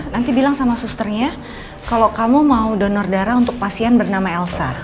nanti bilang sama susternya kalau kamu mau donor darah untuk pasien bernama elsa